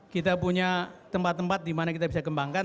kita punya tempat tempat di mana kita bisa kembangkan